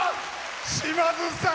島津さん！